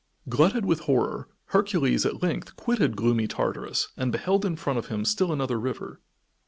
Glutted with horror Hercules at length quitted gloomy Tartarus and beheld in front of him still another river.